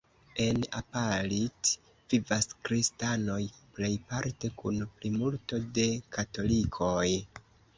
En Apalit vivas kristanoj plejparte kun plimulto de katolikoj.